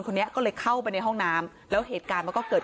คนนี้ก็เลยเข้าไปในห้องน้ำแล้วเหตุการณ์มันก็เกิด